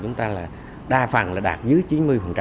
chúng ta đa phần là đạt dưới chín mươi